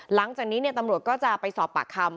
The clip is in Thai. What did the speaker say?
หลังจากนี้ตำรวจก็จะไปสอบปากคำ